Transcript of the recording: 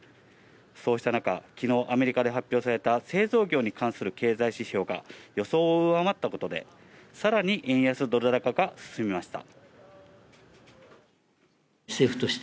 そうした中、昨日アメリカで発表された製造業に関する経済指標が予想を上回ったことで、さらに円安ドル高が進みました。